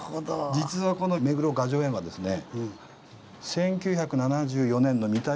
実はこの目黒雅叙園はですね